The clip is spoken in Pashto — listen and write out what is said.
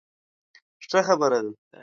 ښه خبره ده.